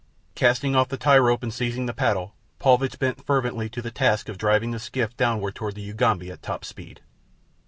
Casting off the tie rope and seizing the paddle, Paulvitch bent feverishly to the task of driving the skiff downward toward the Ugambi at top speed.